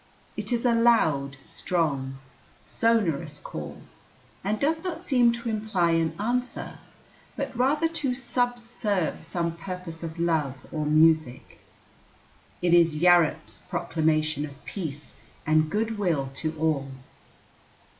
It is a loud, strong, sonorous call, and does not seem to imply an answer, but rather to subserve some purpose of love or music. It is "Yarup's" proclamation of peace and good will to all.